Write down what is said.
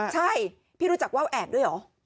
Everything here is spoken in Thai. ใช่พี่รู้จักว่าวแอบด้วยเหรอ